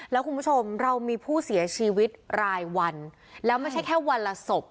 แล้วคุณผู้ชมเรามีผู้เสียชีวิตรายวันแล้วไม่ใช่แค่วันละศพ